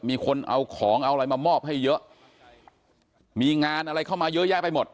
มีคนเอาของเอาอะไรมามอบให้เยอะมีงานอะไรเข้ามาเยอะแยะไปหมด